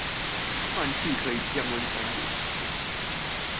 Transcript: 換氣可以降溫三度